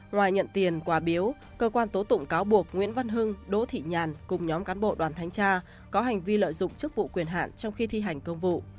ngoài nhận tiền quà biếu cơ quan tố tụng cáo buộc nguyễn văn hưng đỗ thị nhàn cùng nhóm cán bộ đoàn thanh tra có hành vi lợi dụng chức vụ quyền hạn trong khi thi hành công vụ